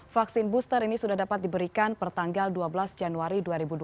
vaksin booster ini sudah dapat diberikan pertanggal dua belas januari dua ribu dua puluh satu